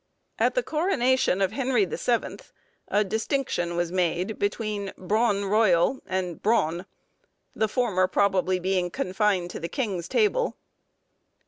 At the coronation of Henry the Seventh, a distinction was made between "brawne royall," and "brawne," the former probably being confined to the king's table.